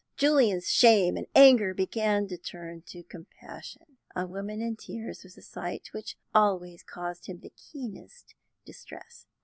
Julian's shame and anger began to turn to compassion. A woman in tears was a sight which always caused him the keenest distress.